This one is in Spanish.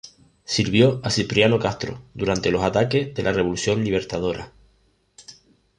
Sirvió a Cipriano Castro durante los ataques de la Revolución Libertadora.